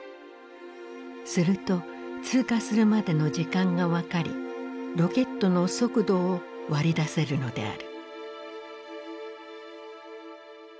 すると通過するまでの時間が分かりロケットの速度を割り出せるのである。